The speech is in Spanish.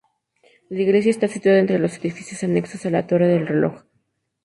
La iglesia está situada entre los edificios anexos a la Torre del Reloj.